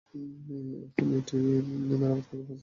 এখন এটি মেরামত করতে পাঁচ থেকে সাত কোটি টাকা খরচ হবে।